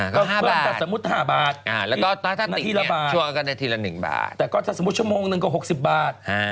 ก็๕บาทนาทีละบาทแต่ก็ถ้าสมมุติชั่วโมงนึงก็๖๐บาท